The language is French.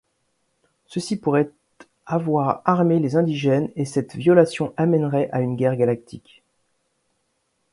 Ceux-ci pourraient avoir armé les indigènes et cette violation aménerait à une guerre galactique.